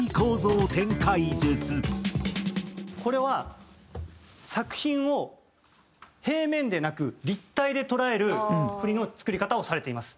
これは作品を平面でなく立体で捉える振りの作り方をされています。